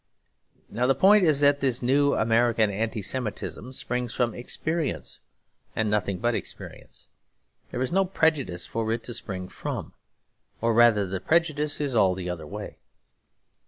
Now the point is that this new American Anti Semitism springs from experience and nothing but experience. There is no prejudice for it to spring from. Or rather the prejudice is all the other way.